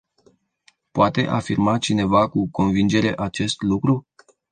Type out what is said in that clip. Poate afirma cineva cu convingere acest lucru?